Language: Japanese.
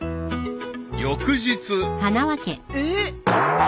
［翌日］えっ！？